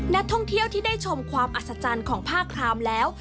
นักท่องเที่ยวที่ได้ชมความอัศจรรย์ของผ้าครามแล้ว